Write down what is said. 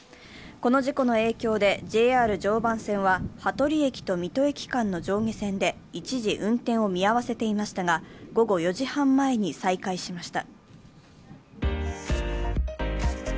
この事故の影響でＪＲ常磐線は羽鳥駅と水戸駅間の上下線で一時運転を見合わせていましたが、午後４時半前に再開しました。